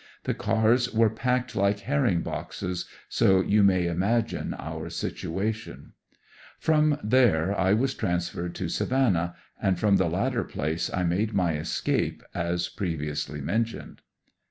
The cars were packed like herring boxes, so you may imagine our situation. From there I was transferred to Savannah, and from the latter place I made my escape, as previously mentioned.